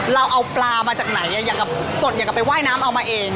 เราเอาปลามาจากไหนอยากกับสดอยากจะไปว่ายน้ำเอามาเอง